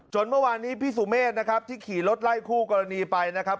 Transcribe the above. เมื่อวานนี้พี่สุเมฆนะครับที่ขี่รถไล่คู่กรณีไปนะครับ